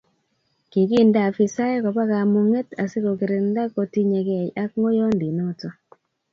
Kiginde afisaek Koba kamungset asikogirinda kotinyekei ak ngoiyondinoto